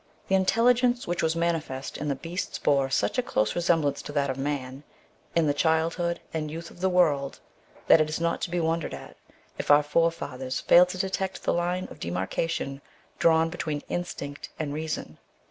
The intelligence which was manifest in the beasts bore such a close resemblance to that of man, in the childhood and youth of the world, that it is not to be wondered at, if our forefathers failed to detect the line of demarcation drawn between instinct and reason.